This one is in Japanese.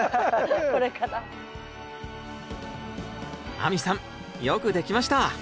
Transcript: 亜美さんよくできました！